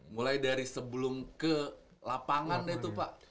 mulai dari sebelum ke lapangan itu pak